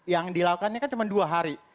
yang dilakukannya kan cuma dua hari